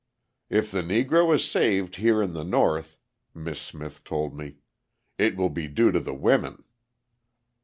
"If the Negro is saved here in the North," Miss Smith told me, "it will be due to the women."